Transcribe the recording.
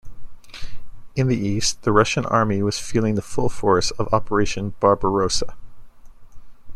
In the East, the Russian Army was feeling the full force of Operation Barbarossa.